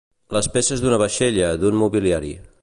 Les peces d'una vaixella, d'un mobiliari.